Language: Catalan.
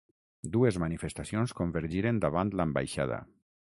Dues manifestacions convergiren davant l'ambaixada.